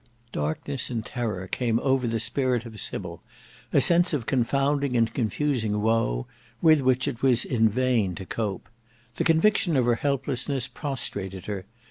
Darkness and terror came over the spirit of Sybil; a sense of confounding and confusing woe, with which it was in vain to cope. The conviction of her helplessness prostrated her.